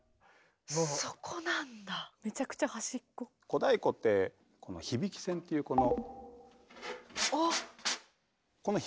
小太鼓って響き線っていうこの。